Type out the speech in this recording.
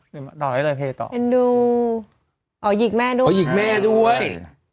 อ๋อหยีกแม่ด้วยอ๋อหยีกแม่ด้วย